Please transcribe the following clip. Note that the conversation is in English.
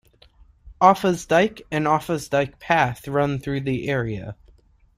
Offa's Dyke and Offa's Dyke Path run through the area.